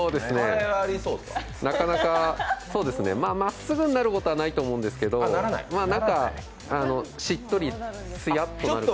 そうですねなかなか、まあまっすぐになることはないと思うんですけど何かしっとりつやっと。